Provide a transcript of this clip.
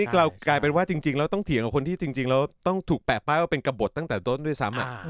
กลายเป็นว่าจริงแล้วต้องเถียงกับคนที่จริงแล้วต้องถูกแปะป้ายว่าเป็นกระบดตั้งแต่ต้นด้วยซ้ำ